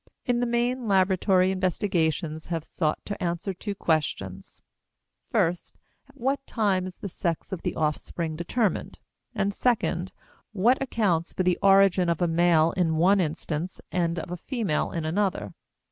In the main laboratory investigations have sought to answer two questions. First, at what time is the sex of the offspring determined? and, second, what accounts for the origin of a male in one instance and of a female in another?